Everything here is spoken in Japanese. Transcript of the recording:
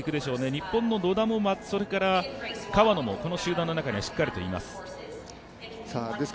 日本の野田も、それから川野もこの集団の中にはしっかりといます。